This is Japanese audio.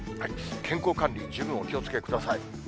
健康管理、十分お気をつけください。